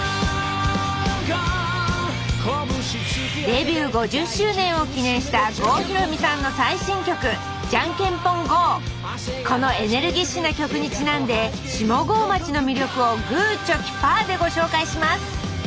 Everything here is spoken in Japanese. デビュー５０周年を記念した郷ひろみさんの最新曲このエネルギッシュな曲にちなんで下郷町の魅力をグーチョキパーでご紹介します。